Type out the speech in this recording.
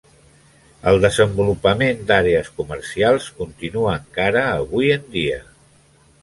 El desenvolupament d'àrees comercials continua encara avui en dia.